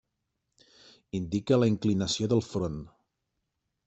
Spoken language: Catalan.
Indica la inclinació del front.